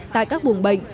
tại các buồng bệnh